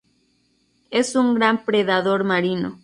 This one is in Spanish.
Es un gran predador marino.